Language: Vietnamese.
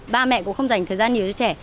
ba mẹ cũng không dành thời gian nhiều cho trẻ